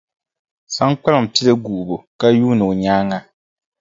Saŋkpaliŋ pili guubu ka yuuni o nyaaŋa.